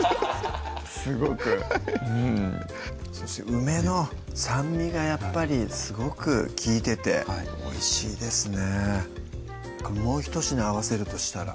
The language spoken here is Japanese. すごくはいそして梅の酸味がやっぱりすごく利いてておいしいですねもうひと品合わせるとしたら？